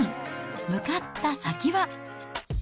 向かった先は。